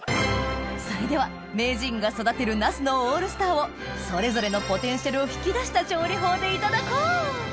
それでは名人が育てるナスのオールスターをそれぞれのポテンシャルを引き出した調理法でいただこう！